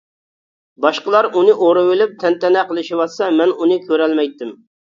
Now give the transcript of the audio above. باشقىلار ئۇنى ئورىۋېلىپ تەنتەنە قىلىشىۋاتسا مەن ئۇنى كۆرەلمەيتتىم.